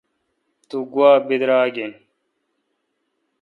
تو گوا براگ این